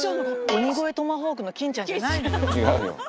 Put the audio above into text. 鬼越トマホークの金ちゃんじゃないのよ。